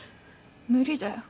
無理だよ。